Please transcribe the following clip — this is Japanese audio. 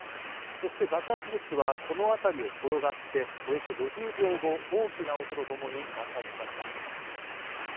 そして爆発物はこの辺りを転がっておよそ５０秒後、大きな音と共に爆発しました。